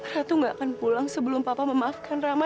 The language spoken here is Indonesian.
ratu gak akan pulang sebelum papa memaafkan rama